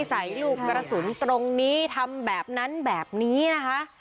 ใส่ลูกกระสุนตรงนี้ทำแบบนั้นแบบนี้นะคะ